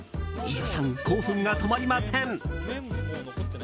飯尾さん、興奮が止まりません。